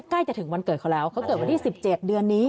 ใกล้จะถึงวันเกิดเขาแล้วเขาเกิดวันที่๑๗เดือนนี้